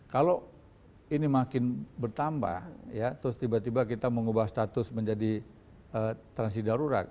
kalau ini makin bertambah ya terus tiba tiba kita mengubah status menjadi transisi darurat